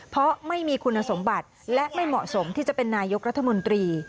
เพราะไม่มีคุณสมบัติและไม่เหมาะสมที่จะเป็นนายกรัฐมนตรี